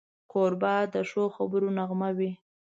کوربه د ښو خبرو نغمه وي.